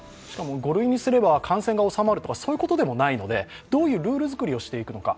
５類にすれば、感染が収まるとかそういうことでもないのでどういうルール作りをしていくのか。